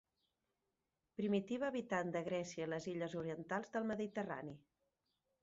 Primitiva habitant de Grècia i les illes orientals del Mediterrani.